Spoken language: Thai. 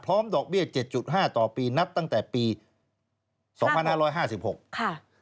ดอกเบี้ย๗๕ต่อปีนับตั้งแต่ปี๒๕๕๖ค่ะ